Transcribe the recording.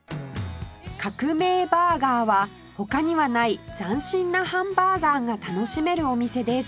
カクメイバーガーは他にはない斬新なハンバーガーが楽しめるお店です